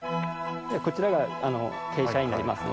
こちらが鶏舎になりますので。